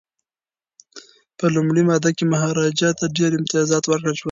په لومړۍ ماده کي مهاراجا ته ډیر امتیازات ورکړل شول.